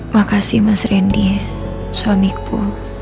makasih mas randy suamiku